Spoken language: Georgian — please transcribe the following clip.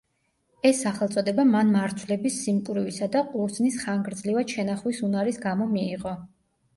ეს სახელწოდება მან მარცვლების სიმკვრივისა და ყურძნის ხანგრძლივად შენახვის უნარის გამო მიიღო.